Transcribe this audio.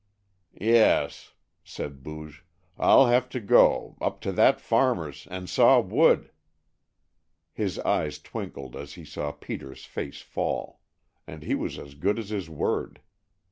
"Yes," said Booge, "I'll have to go up to that farmer's and saw wood." His eyes twinkled as he saw Peter's face fall. And he was as good as his word.